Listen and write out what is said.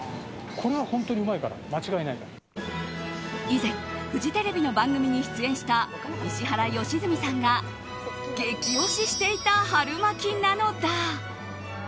以前フジテレビの番組に出演した石原良純さんが激推ししていた春巻きなのだ。